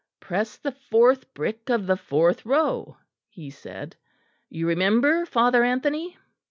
"Press the fourth brick of the fourth row," he said. "You remember, Father Anthony?"